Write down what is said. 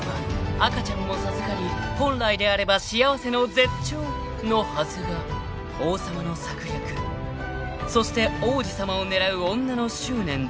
［赤ちゃんも授かり本来であれば幸せの絶頂のはずが王様の策略そして王子様を狙う女の執念で］